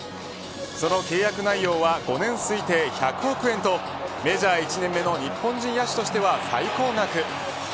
その契約内容は５年推定１００億円とメジャー１年目の日本人野手としては最高額。